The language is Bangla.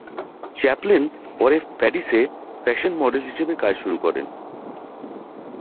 চ্যাপলিন পরে প্যারিসে ফ্যাশন মডেল হিসেবে কাজ শুরু করেন।